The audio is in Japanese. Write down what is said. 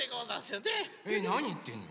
えなにいってんの？